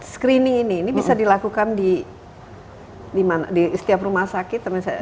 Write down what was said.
screening ini bisa dilakukan di setiap rumah sakit